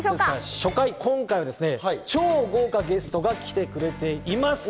初回、今回は超豪華ゲストが来てくれています。